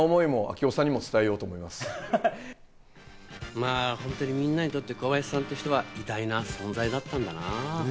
まぁ本当にみんなにとって小林さんって人は偉大な存在だったんだな。